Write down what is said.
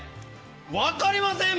分かりません！